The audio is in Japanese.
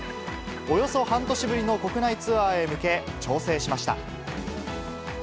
およそ半年ぶりの国内ツアーへ向け、調整しました。